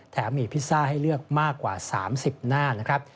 มีพิซซ่าให้เลือกมากกว่า๓๐หน้านะครับ